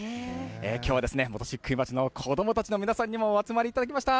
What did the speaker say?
きょうは本石灰町の子どもたちの皆さんにもお集まりいただきました。